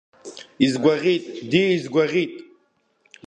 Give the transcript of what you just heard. Изгәаӷьит, диа, изгәаӷьит!